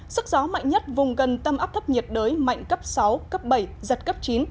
sức gió mạnh nhất vùng gần tâm áp thấp nhiệt đới mạnh cấp sáu cấp bảy giật cấp chín